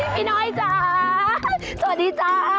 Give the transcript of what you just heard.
พี่น้อยจ๋าสวัสดีจ้า